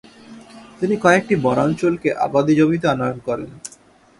তিনি কয়েকটি বনাঞ্চলকে আবাদী জমিতে আনয়ন করেন।